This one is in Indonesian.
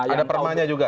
ada permanya juga